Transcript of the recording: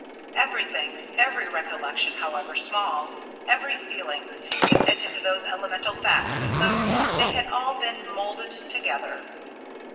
Everything, every recollection however small, every feeling, seemed to fit into those elemental facts as though they had all been moulded together.